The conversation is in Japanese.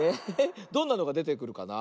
どんなのがでてくるかな？